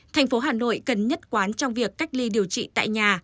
thành phố hà nội cần nhất quán trong việc cách ly điều trị tại nhà